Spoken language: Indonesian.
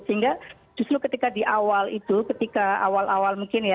sehingga justru ketika di awal itu ketika awal awal mungkin ya